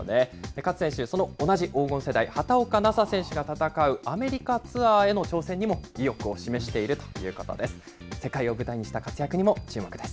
勝選手、その同じ黄金世代、畑岡奈紗選手が戦うアメリカツアーへの挑戦にも意欲を示しているということです。